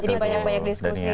jadi banyak banyak diskusi ya